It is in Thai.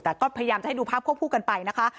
แต่ก็พยายามจะให้ดูภาพควบคู่กันไปนะคะ